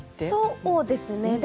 そうですね。